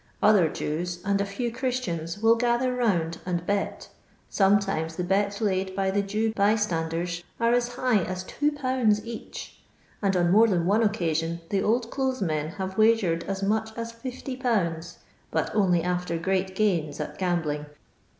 Other Jews, and a few Christians, will gather round and bet. Sometimes the bets laid by the Jew bystanders are as high as 21. each ; and on more than one occasion the oldclothes men have wagered as much as 50/., but only after great gains at gambling.